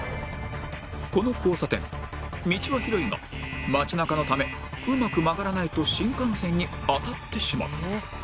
この交差点道は広いが街中のためうまく曲がらないと新幹線に当たってしまう